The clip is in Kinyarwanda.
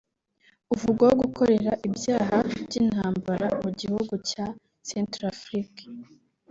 uvugwaho gukorera ibyaha by’intambara mu gihugu cya Centrafrique